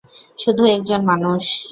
শুধু একজন মানুষ!